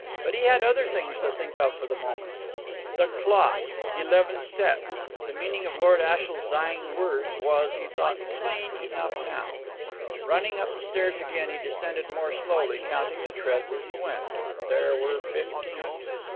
But he had other things to think of for the moment. "The clock eleven steps." The meaning of Lord Ashiel's dying words was, he thought, plain enough now. Running up the stairs again, he descended more slowly, counting the treads as he went. There were fifteen.